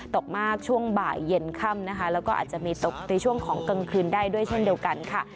ตกมากช่วงบ่ายเย็นค่ำนะคะแล้วก็อาจจะมีตกในช่วงของกลางคืนได้ด้วยเช่นเดียวกันค่ะ